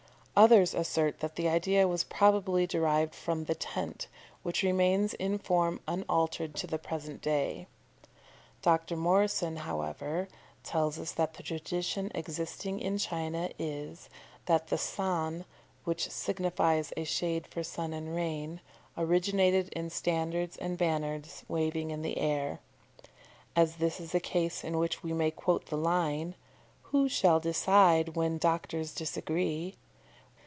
Others assert that the idea was probably derived from the tent, which remains in form unaltered to the present day. Dr. Morrison, however, tells us that the tradition existing in China is, that the San, which signifies a shade for sun and rain, originated in standards and banners waving in the air. As this is a case in which we may quote the line "Who shall decide when doctors disagree?"